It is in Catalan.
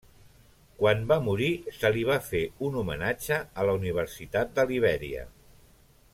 Quan va morir, se li va fer un homenatge a la Universitat de Libèria.